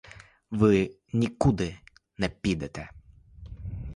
Ви нікуди не підете.